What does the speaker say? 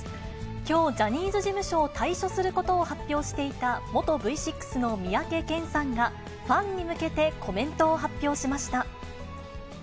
きょう、ジャニーズ事務所を退所することを発表していた、元Ｖ６の三宅健さんが、ファンに向けてコメントを発表しました。